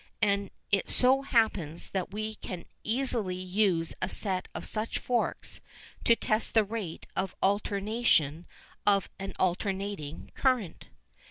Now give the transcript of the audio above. And it so happens that we can easily use a set of such forks to test the rate of alternation of an alternating current.